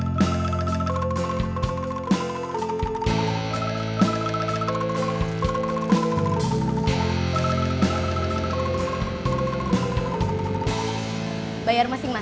kita bisa kembali ke rumah